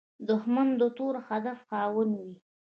دښمن د تور هدف خاوند وي